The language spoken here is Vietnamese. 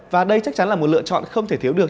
và đây chắc chắn là một lựa chọn không thể thiếu được